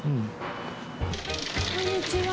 こんにちは。